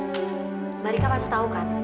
mbak rika pasti tahu kan